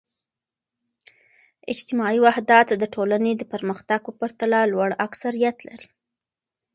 اجتماعي وحدت د ټولنې د پرمختګ په پرتله لوړ اکثریت لري.